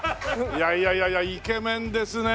いやいやいやいやイケメンですね。